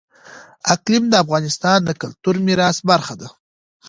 اقلیم د افغانستان د کلتوري میراث برخه ده.